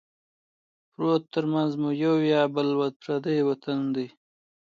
پروت ترمنځه مو یو یا بل پردی وطن دی